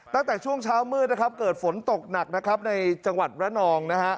ตั้งแต่ช่วงเช้ามืดเกิดฝนตกหนักในจังหวัดระนอง